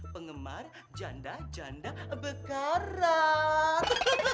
penggemar janda janda berkarat